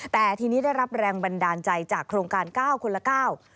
แต่ทีนี้ได้รับแรงบันดาลใจจากโครงการเก้าคนละเก้า